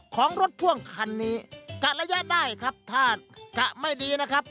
ของรถพ่วงคันนี้กะระยะได้ครับถ้ากะไม่ดีนะครับ